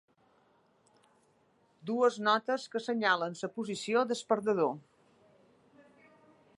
Dues notes que assenyalen la posició del perdedor.